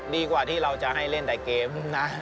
ดีกว่าที่เราจะให้เล่นแต่เกมนะ